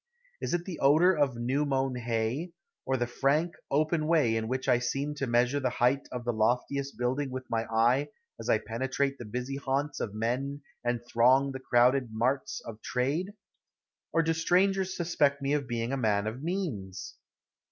Is it the odor of new mown hay, or the frank, open way in which I seem to measure the height of the loftiest buildings with my eye as I penetrate the busy haunts of men and throng the crowded marts of trade? Or do strangers suspect me of being a man of means?